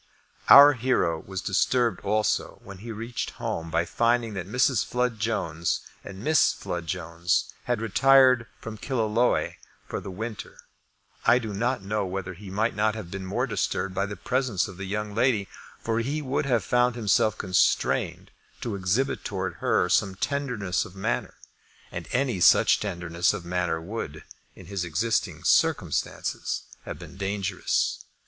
Our hero was disturbed also when he reached home by finding that Mrs. Flood Jones and Miss Flood Jones had retired from Killaloe for the winter. I do not know whether he might not have been more disturbed by the presence of the young lady, for he would have found himself constrained to exhibit towards her some tenderness of manner; and any such tenderness of manner would, in his existing circumstances, have been dangerous.